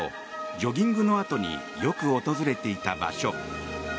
ジョギングのあとによく訪れていた場所。